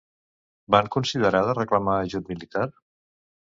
Van considerar de reclamar ajut militar?